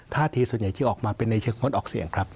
ท่าทีส่วนใหญ่ที่ออกมาเป็นในเชิงงดออกเสียงครับ